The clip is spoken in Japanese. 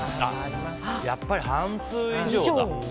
やっぱり半数以上だ。